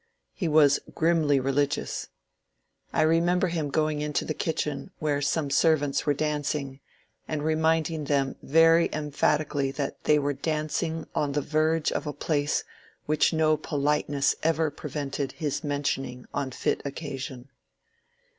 He was grimly religious. I remember him going into the kitchen, where some servants were dancing, and reminding them very emphatically that they were dancing on the verge of a place which no politeness ever prevented his mentioning on fit occasion.